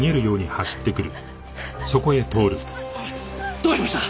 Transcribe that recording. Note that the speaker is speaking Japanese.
どうしました！？